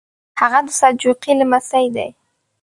هغه د سلجوقي لمسی دی.